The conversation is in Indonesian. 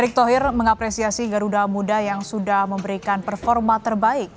erick thohir mengapresiasi garuda muda yang sudah memberikan performa terbaik